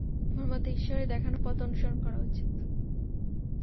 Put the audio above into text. আমার মতে ঈশ্বরের দেখানো পথ অনুসরণ করা উচিত।